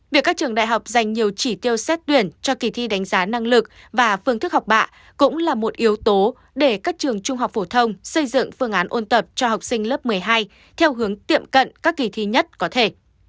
việc các trường đại học dành nhiều chỉ tiêu xét tuyển cho kỳ thi đánh giá năng lực và phương thức học bạ cũng là một yếu tố để các trường trung học phổ thông xây dựng phương án ôn tập cho học sinh lớp một mươi hai theo hướng tiệm cận các kỳ thi nhất có thể